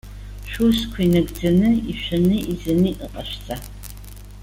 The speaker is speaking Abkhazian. Шәусқәа инагӡаны, ишәаны изаны иҟашәҵа.